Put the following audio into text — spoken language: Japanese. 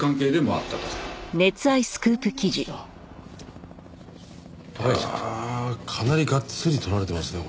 ああかなりがっつり撮られてますね